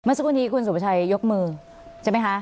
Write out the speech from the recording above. สักวันนี้คุณสุภาชัยยกมือใช่ไหมคะ